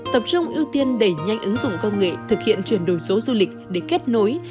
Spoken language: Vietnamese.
tập trung ưu tiên đẩy nhanh ứng dụng công nghệ thực hiện chuyển đổi số du lịch để kết nối